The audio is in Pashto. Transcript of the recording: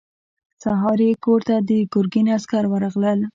سهار يې کور ته د ګرګين عسکر ورغلل.